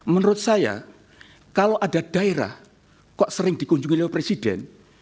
menurut saya kalau ada daerah kok sering dikunjungi oleh presiden